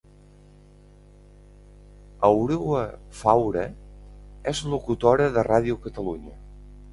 Aura Faura és locutora de ràdio Catalunya